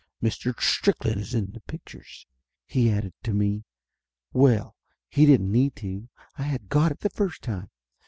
Mr. Strickland is in the pictures," he added to me. Well, he didn't need to. I had got it the first time.